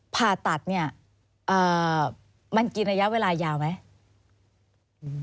ผ่าตัดมันกี่ระยะเวลายาวไหม